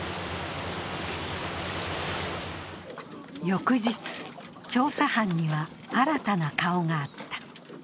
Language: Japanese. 翌日、調査班には新たな顔があった。